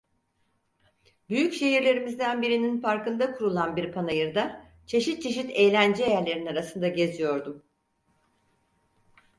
Büyük şehirlerimizden birinin parkında kurulan bir panayırda çeşit çeşit eğlence yerlerinin arasında geziyordum.